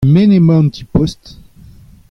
E-men emañ an ti-post ?